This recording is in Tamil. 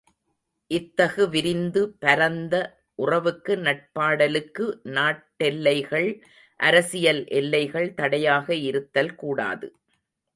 இத்தகு விரிந்த பரந்த உறவுக்கு நட்பாடலுக்கு நாட்டெல்லைகள், அரசியல் எல்லைகள் தடையாக இருத்தல் கூடாது.